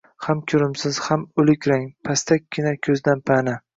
Ham ko`rimsiz, ham o`lik rang, pastakkina, ko`zdan pana